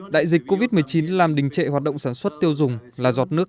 đại dịch covid một mươi chín làm đình trệ hoạt động sản xuất tiêu dùng là giọt nước